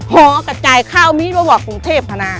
หอกักส่ายข้าวไม่ที่เติมประวัติกรุงเทพฯอาณา